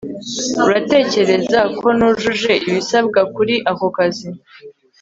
uratekereza ko nujuje ibisabwa kuri ako kazi